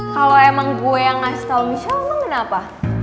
kalo emang gue yang ngasih tau michelle emang kenapa